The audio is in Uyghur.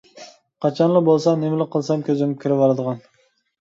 قاچانلا بولسا، نېمىلا قىلسام كۆزۈمگە كىرىۋالىدىغان.